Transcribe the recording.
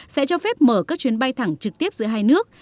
sẽ cho phép mở các chuyến bay thẳng trực tiếp giữa hai nước